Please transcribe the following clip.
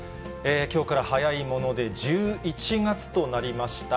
きょうから早いもので１１月となりました。